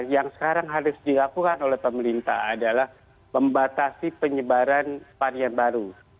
yang sekarang harus dilakukan oleh pemerintah adalah membatasi penyebaran varian baru